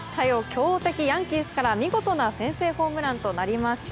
強敵ヤンキースから見事な先制ホームランとなりました。